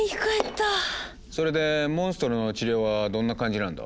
それでモンストロの治療はどんな感じなんだ？